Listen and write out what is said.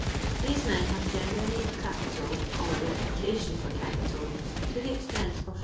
These men have generally a capital, or a reputation for capital, to the extent of 400